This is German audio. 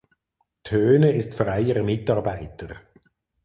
Thöne ist freier Mitarbeiter.